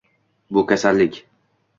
Bu kasallik.